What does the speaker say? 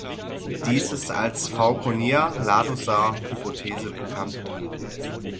Dies ist als Fauconnier-Ladusaw-Hypothese bekannt.